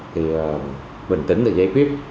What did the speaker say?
thì bình tĩnh là giải quyết